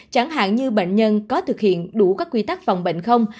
chẳng hạn như bệnh nhân có thực hiện đủ các quy tắc phòng bệnh không